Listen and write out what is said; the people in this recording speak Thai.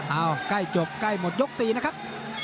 ใกล้จบใกล้หมดยก๔นะครับ